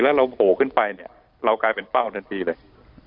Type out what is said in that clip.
แล้วเราโผล่ขึ้นไปเนี่ยเรากลายเป็นเป้าทันทีเลย